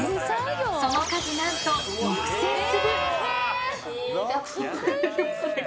その数、何と６０００粒。